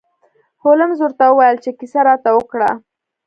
هولمز ورته وویل چې کیسه راته وکړه.